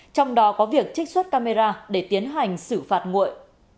trong đó có việc trích xuất camera để tiến hành xử phạt nguội